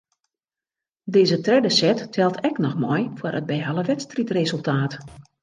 Dizze tredde set teld ek noch mei foar it behelle wedstriidresultaat.